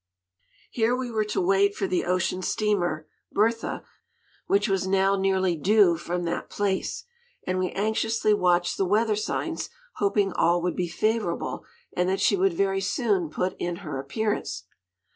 Here we were to wait for the ocean steamer "Bertha," which was now nearly due from that place, and we anxiously watched the weather signs hoping all would be favorable, and that she would very soon put in her appearance.